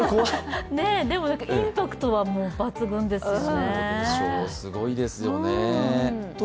でも、インパクトはもう抜群ですよね。